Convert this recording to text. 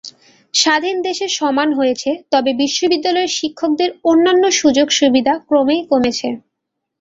স্বাধীন দেশে সমান হয়েছে, তবে বিশ্ববিদ্যালয়ের শিক্ষকদের অন্যান্য সুযোগ-সুবিধা ক্রমেই কমেছে।